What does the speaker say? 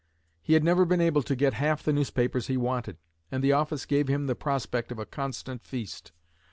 He had never been able to get half the newspapers he wanted, and the office gave him the prospect of a constant feast.